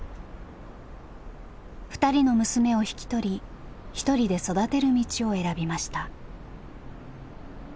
２人の娘を引き取り１人で育てる道を選びました。